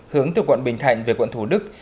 hướng từ quận bình thạnh về quận thủ đức